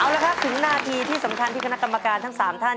เอาละครับถึงนาทีที่สำคัญที่คณะกรรมการทั้ง๓ท่าน